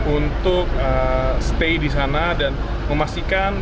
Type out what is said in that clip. untuk stay di sana dan memastikan